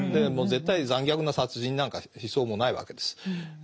もう絶対残虐な殺人なんかしそうもないわけです。